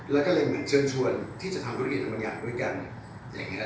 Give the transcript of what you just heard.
และก็เลยเชิญชวนที่จะทำธุรกิจอำนวยาศบริการอย่างเนี่ย